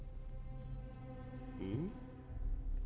うん？